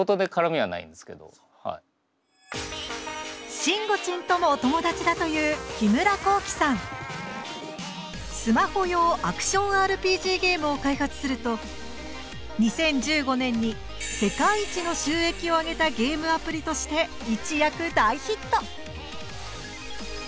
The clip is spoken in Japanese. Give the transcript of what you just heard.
しんごちんともお友達だというスマホ用アクションＲＰＧゲームを開発すると２０１５年に世界一の収益を挙げたゲームアプリとして一躍大ヒット